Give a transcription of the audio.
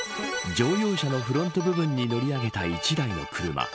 乗用車のフロント部分に乗り上げた１台の車。